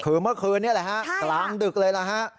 คือเมื่อคืนนี้แหละฮะกลางดึกเลยล่ะฮะ